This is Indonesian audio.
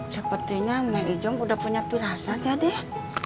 sepertinya nek ijong udah punya pirasa aja deh